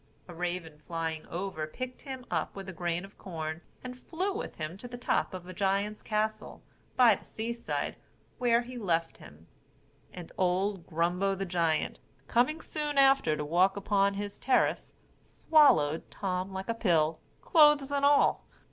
A raven flying over, picked him up with a grain of corn, and flew with him to the top of a giant's castle, by the seaside, where he left him; and old Grumbo the giant, coming soon after to walk upon his terrace, swallowed Tom like a pill, clothes and all.